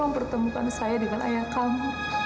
tolong pertemukan saya dengan ayah kamu